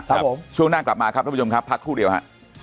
ครับช่วงหน้ากลับมาครับทัทมุยมครับพักพู่เดี๋ยวฮะ